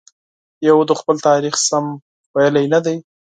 یهودو خپل تاریخ سم لوستی نه دی.